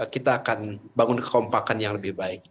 kita akan bangun kekompakan yang lebih baik